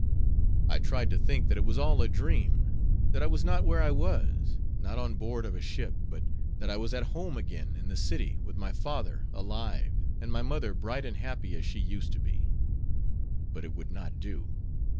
I tried to think that it was all a dream, that I was not where I was, not on board of a ship, but that I was at home again in the city, with my father alive, and my mother bright and happy as she used to be. But it would not do.